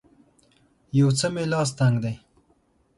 یو څه مې لاس تنګ دی